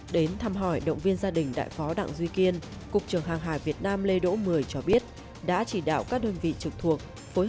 đến thăm hỏi động viên gia đình đại phó đảng duy kiên cục trưởng hàng hải việt nam lê đỗ mười cho biết đã chỉ đạo các đơn vị trực thuộc